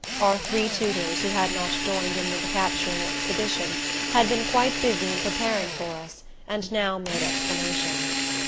Our three tutors, who had not joined in the recapturing expedition, had been quite busy in preparing for us, and now made explanation.